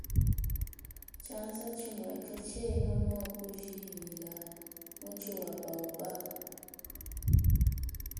Tshianza tshimue katshiena mua ku jingila mutshi wa baoba.